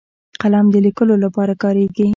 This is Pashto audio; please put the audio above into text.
قلم د لیکلو لپاره کارېږي